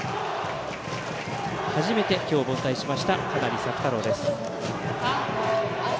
初めて今日、凡退しました羽成朔太郎です。